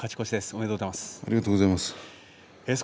おめでとうございます。